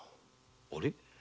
あれ？